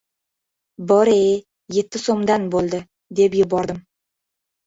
— Bor-ye, yetti so‘mdan bo‘ldi! — deb yubordim.